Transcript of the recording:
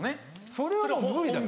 「それはもう無理だよ」。